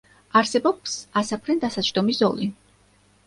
არსებობს ასაფრენ-დასაჯდომი ზოლი.